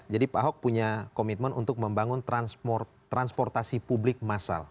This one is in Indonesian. jadi pak ahok punya komitmen untuk membangun transportasi publik massal